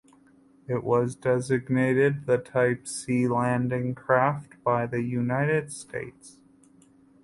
It was designated the "Type C" landing craft by the United States.